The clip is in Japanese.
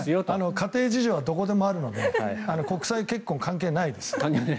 家庭事情はどこでもあるので国際結婚、関係ないです。